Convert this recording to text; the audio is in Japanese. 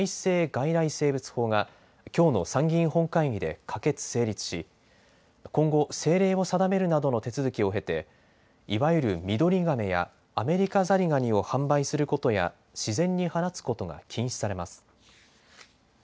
外来生物法がきょうの参議院本会議で可決・成立し今後、政令を定めるなどの手続きを経ていわゆるミドリガメやアメリカザリガニを販売することや自然に放つことが禁止されます。